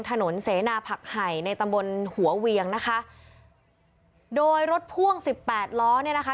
ถนนเสนาผักไห่ในตำบลหัวเวียงนะคะโดยรถพ่วงสิบแปดล้อเนี่ยนะคะ